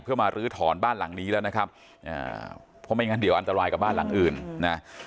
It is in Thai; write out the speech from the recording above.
เพื่อมาลื้อถอนบ้านหลังนี้แล้วนะครับอ่าเพราะไม่งั้นเดี๋ยวอันตรายกับบ้านหลังอื่นนะ